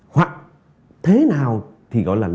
hoặc thế nào thì gọi là lôi kéo